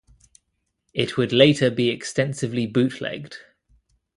It would later be extensively bootlegged.